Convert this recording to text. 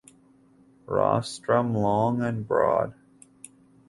Rostrum long and broad.